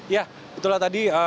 ya itulah tadi